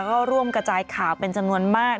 ก็ร่วมกระจายข่าวเป็นจำนวนมาก